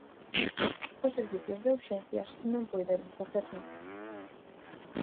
Os servizos de urxencias non puideron facer nada.